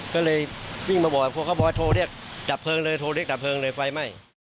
ก็เลยวิ่งมาบอกว่าโทรเรียกดับเพลิงเลยฟัยไหม้